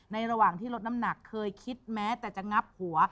ระหว่างที่ลดน้ำหนักเคยคิดแม้แต่จะงับหัว